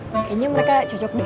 kayaknya mereka cocok deh